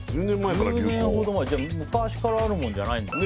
１０年ほど前じゃあ昔からあるもんじゃないんだ。